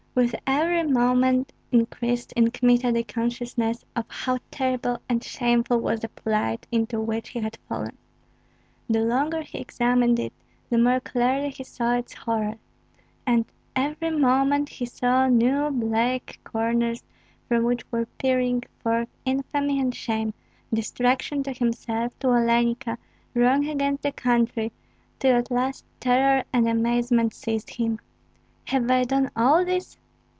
With every moment increased in Kmita the consciousness of how terrible and shameful was the plight into which he had fallen. The longer he examined it the more clearly he saw its horror; and every moment he saw new black corners from which were peering forth infamy and shame, destruction to himself, to Olenka, wrong against the country, till at last terror and amazement seized him. "Have I done all this?"